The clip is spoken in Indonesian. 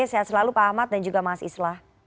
sehat selalu pak ahmad dan juga mas islah